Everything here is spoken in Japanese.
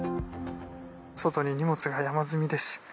外に荷物が山積みです。